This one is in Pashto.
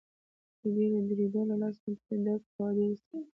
د ډېرې درېدو له لاسه مې پښې درد کاوه، ډېر ستړی وم.